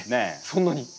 そんなに？